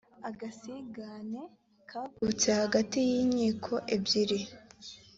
agasigane kavutse hagati y inkiko ebyiri